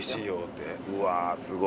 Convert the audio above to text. うわーすごい。